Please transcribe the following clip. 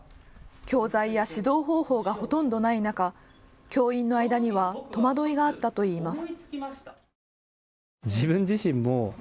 教材や指導方法がほとんどない中、教員の間には戸惑いがあったといいます。